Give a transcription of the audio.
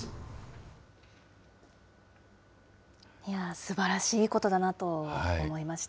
すばらしいことだなと思いました。